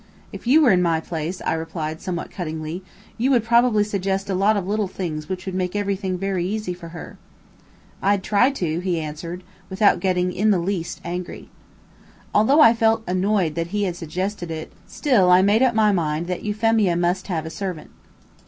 "If you were in my place," I replied, somewhat cuttingly, "you would probably suggest a lot of little things which would make everything very easy for her." "I'd try to," he answered, without getting in the least angry. Although I felt annoyed that he had suggested it, still I made up my mind that Euphemia must have a servant.